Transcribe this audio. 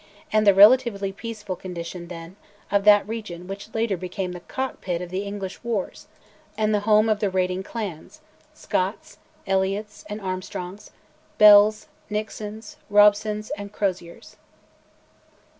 and the relatively peaceful condition, then, of that region which later became the cockpit of the English wars, and the home of the raiding clans, Scotts, Elliots, and Armstrongs, Bells, Nixons, Robsons, and Croziers.